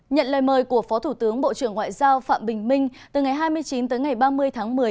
nhận lời mời của phó thủ tướng bộ trưởng ngoại giao phạm bình minh từ ngày hai mươi chín tới ngày ba mươi tháng một mươi